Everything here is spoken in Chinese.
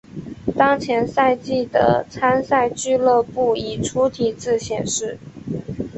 当前赛季的参赛俱乐部以粗体字显示。